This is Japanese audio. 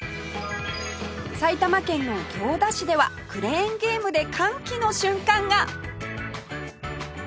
埼玉県の行田市ではクレーンゲームで歓喜の瞬間が！